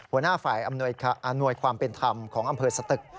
หัวหน้าฝ่ายอำนวยความเป็นธรรมของอำเภอสตึก